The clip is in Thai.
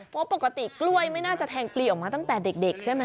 เพราะปกติกล้วยไม่น่าจะแทงเปลี่ยวมาตั้งแต่เด็กใช่ไหม